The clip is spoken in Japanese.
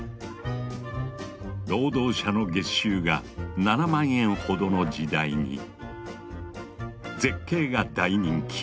労働者の月収が７万円ほどの時代に絶景が大人気！